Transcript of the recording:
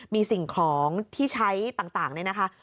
มีสิ่งของที่ใช้ต่างเนี่ยนะคะ